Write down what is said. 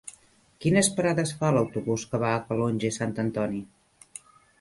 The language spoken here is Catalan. Quines parades fa l'autobús que va a Calonge i Sant Antoni?